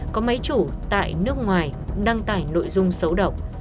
có máy chủ tại nước ngoài đăng tải nội dung xấu độc